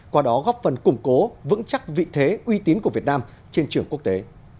qua đó góp phần củng cố vững chắc vị thế uy tín của việt nam trên trường quốc tế